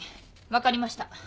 分かりました。